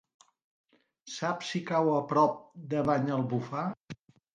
Saps si cau a prop de Banyalbufar?